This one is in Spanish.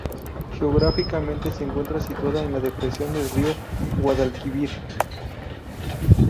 Geográficamente se encuentra situada en la depresión del río Guadalquivir.